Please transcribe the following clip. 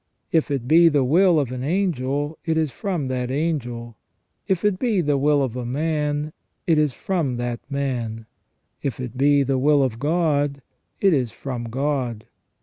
If it be the will of an angelj it is from that angel ; if it be the wiirof a man, it is from that man ; if it be the will of God, it is from God.